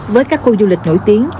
với các khu du lịch nổi tiếng